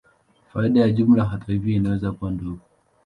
Faida ya jumla, hata hivyo, inaweza kuwa ndogo.